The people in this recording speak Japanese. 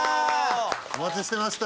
お待ちしてました。